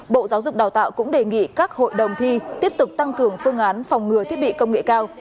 bộ giáo dục đào tạo cũng đề nghị các hội đồng thi tiếp tục tăng cường phương án phòng ngừa thiết bị công nghệ cao